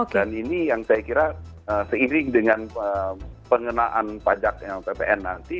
dan ini yang saya kira seiring dengan pengenaan pajak ppn nanti